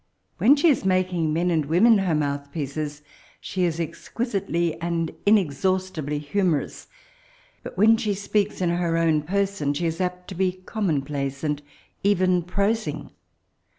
When she is making men and women her mouth pieces, she is exquisitely and inez baostibly humorous ; bat when she speaks in her own person, she is apt to be commonpUioe, and even pros ing.